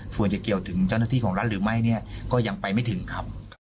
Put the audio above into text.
ส่วนจะเกี่ยวถึงเจ้าหน้าที่ของรัฐหรือไม่เนี่ยก็ยังไปไม่ถึงครับ